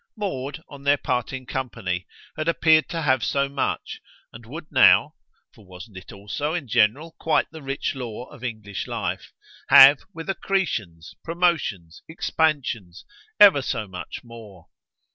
Maud, on their parting company, had appeared to have so much, and would now for wasn't it also in general quite the rich law of English life? have, with accretions, promotions, expansions, ever so much more.